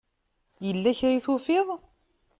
Yella kra i tufiḍ?